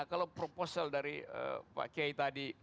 kalau proposal dari pak kiai tadi